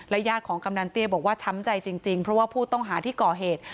ญาติของกำนันเตี้ยบอกว่าช้ำใจจริงเพราะว่าผู้ต้องหาที่ก่อเหตุ